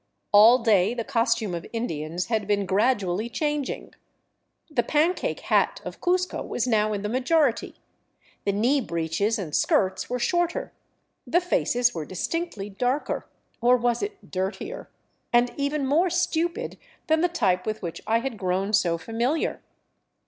All day the costume of Indians had been gradually changing. The pancake hat of Cuzco was now in the majority ; the knee breeches and skirts were shorter; the faces were distinctly darker — or was it dirtier ?— and even more stupid than the type with which I had grown so familiar.